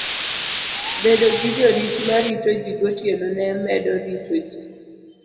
Bedo gi jorit ma rito ji gotieno ne medo rito ji